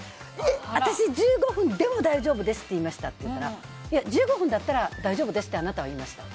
私１５分でも「大丈夫です」って言いましたって言ったらいや、１５分だったら「大丈夫です」って言いました。